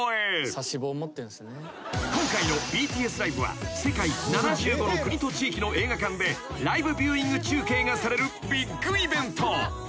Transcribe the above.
［今回のＢＴＳライブは世界７５の国と地域の映画館でライブビューイング中継がされるビッグイベント］